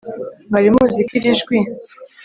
mwari muzi ko iri jwi